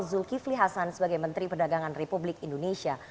zulkifli hasan sebagai menteri perdagangan republik indonesia